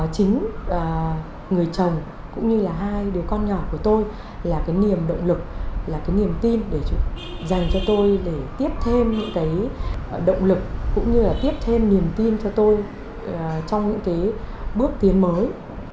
chính người chồng cũng như là hai đứa con nhỏ của tôi là cái niềm động lực là cái niềm tin để dành cho tôi để tiếp thêm những cái động lực cũng như là tiếp thêm niềm tin cho tôi trong những cái bước tiến mới